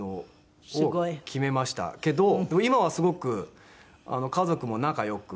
今はすごく家族も仲良く。